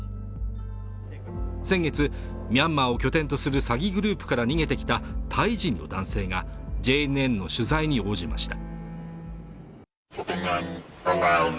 先月、ミャンマーを拠点とする詐欺グループから逃げてきたタイ人の男性がＪＮＮの取材に応じました